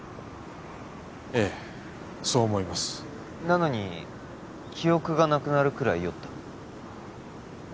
ええそう思いますなのに記憶がなくなるくらい酔った？